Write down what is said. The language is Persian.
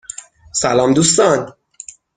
سلام دوستان